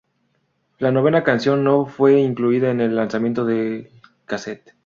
La novena canción no fue incluida en el lanzamiento del casete.